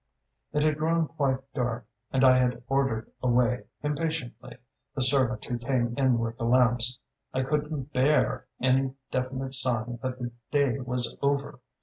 "It had grown quite dark, and I had ordered away, impatiently, the servant who came in with the lamps: I couldn't bear any definite sign that the day was over!